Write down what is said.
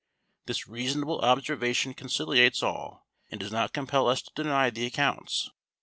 This reasonable observation conciliates all, and does not compel us to deny the accounts.